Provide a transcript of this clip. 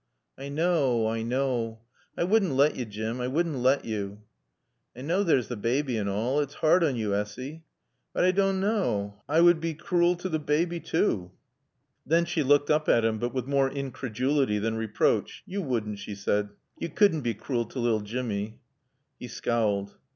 "I knaw. I knaw. I wouldn' lat yo', Jim. I wouldn' lat yo'." "I knaw there's t' baaby an' all. It's hard on yo', Essy. But I dawn' knaw I ned bae crool to t' baaby, too." Then she looked up at him, but with more incredulity than reproach. "Yo' wudn'," she said. "Yo' cudn' bae crool t' lil Jimmy." He scowled.